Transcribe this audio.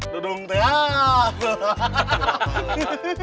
dudung itu yang